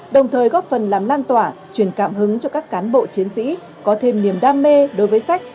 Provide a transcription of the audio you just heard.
đồng thời góp phần làm lan tỏa truyền cảm hứng cho các cán bộ chiến sĩ có thêm niềm đam mê đối với sách